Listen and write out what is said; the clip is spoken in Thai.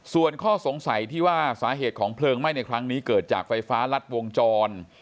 ส่วนข้อสงสัยที่ว่าสาเหตุของเพลิงไหม้ในครั้งนี้เกิดจากไฟฟ้ารัดวงจร